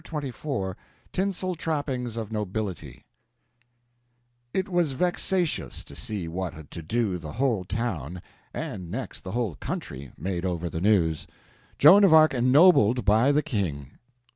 Chapter 24 Tinsel Trappings of Nobility IT WAS vexatious to see what a to do the whole town, and next the whole country, made over the news. Joan of Arc ennobled by the King!